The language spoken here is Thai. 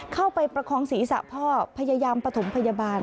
ประคองศีรษะพ่อพยายามปฐมพยาบาล